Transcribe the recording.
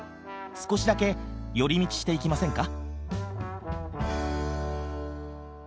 少しだけ寄り道していきませんか？